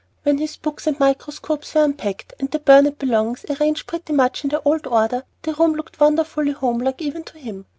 When his books and microscopes were unpacked, and the Burnet belongings arranged pretty much in their old order, the rooms looked wonderfully homelike, even to him.